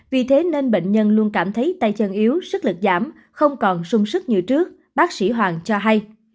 vì thế nên bệnh nhân luôn cảm thấy tay chân yếu sức lực giảm không còn sung sức như trước bác sĩ hoàng cho hay